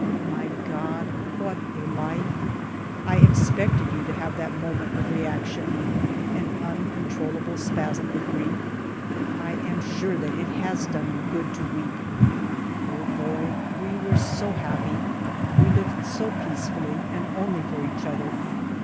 My God ! what a life ! I expected you to have that moment of reaction, an uncontrol lable spasm of grief; I am sure that it has done you good to weep. Poor boy ! We were so happy, we lived so peacefully, and only for each other.